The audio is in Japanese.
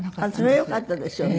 それはよかったですよね。